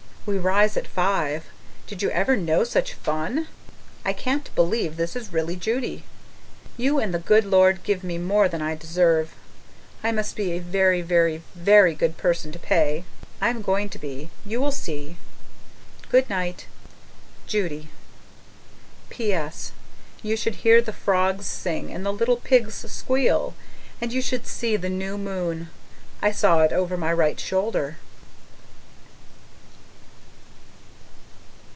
We rise at five. Did you ever know such fun? I can't believe this is really Judy. You and the Good Lord give me more than I deserve. I must be a very, very, VERY good person to pay. I'm going to be. You'll see. Good night, Judy PS. You should hear the frogs sing and the little pigs squeal and you should see the new moon! I saw it over my right shoulder.